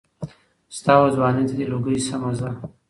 ستا وه ځوانۍ ته دي لوګى سمه زه